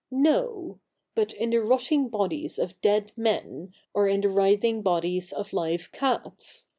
No — but in the rotting bodies of dead men, or in the writhing bodies of live cats.